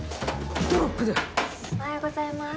おはようございます。